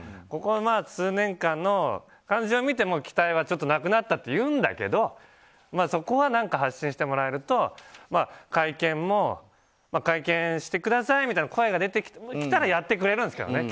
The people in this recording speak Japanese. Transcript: ここ数年間の感じを見て期待はなくなったというんだけどそこは何か発信してもらえると会見してくださいみたいな声が出てきたらやってくれるんですけど。